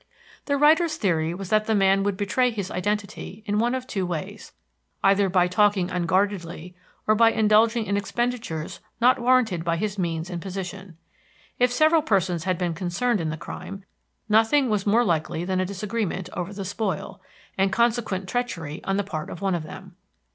The writer's theory was that the man would betray his identity in one of two ways: either by talking unguardedly, or by indulging in expenditures not warranted by his means and position. If several persons had been concerned in the crime, nothing was more likely than a disagreement over the spoil, and consequent treachery on the part of one of them.